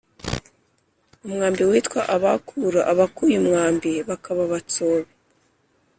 umwambi witwa "abakuro" (abakuye umwambi), bakaba abatsobe.